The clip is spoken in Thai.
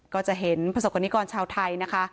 ก็จะเห็นประสบกรณิกรชาวไทยนะคะ